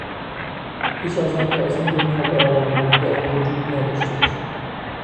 پیش از آنکه از این دنیا بروم و دیگر وجود نداشته باشم.